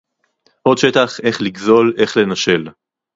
עוד שטח, איך לגזול, איך לנשל